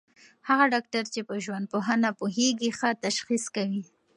هغه ډاکټر چي په ژوندپوهنه پوهېږي، ښه تشخیص کوي.